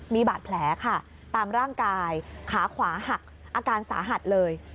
มีบาดแผลค่ะตามร่างกายขาขวาหักอาการสาหัสเลย